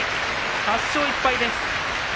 ８勝１敗です。